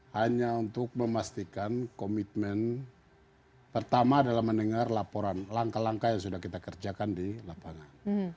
hanya untuk memastikan komitmen pertama adalah mendengar laporan langkah langkah yang sudah kita kerjakan di lapangan